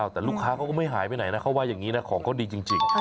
แต่ลูกค้าเขาก็ไม่หายไปไหนนะเขาว่าอย่างนี้นะของเขาดีจริง